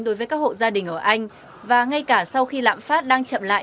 đối với các hộ gia đình ở anh và ngay cả sau khi lạm phát đang chậm lại